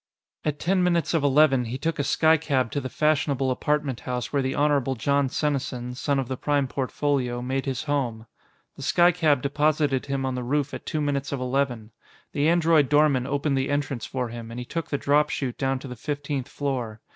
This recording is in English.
At ten minutes of eleven, he took a skycab to the fashionable apartment house where the Honorable Jon Senesin, son of the Prime Portfolio, made his home. The skycab deposited him on the roof at two minutes of eleven. The android doorman opened the entrance for him, and he took the drop chute down to the fifteenth floor.